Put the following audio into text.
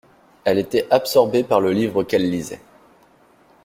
Elle était absorbée par le livre qu'elle lisait.